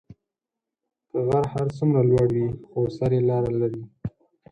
که غر هر څومره لوړی وي، خو سر یې لار لري.